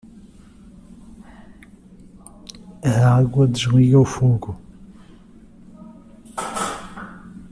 A água desliga o fogo.